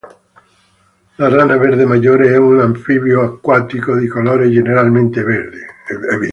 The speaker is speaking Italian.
La rana verde maggiore è un anfibio acquatico di colore generalmente verde.